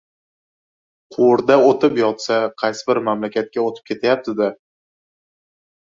— Quvurda o‘tib yotsa, qaysi bir mamlakatga o‘tib ketayapti-da.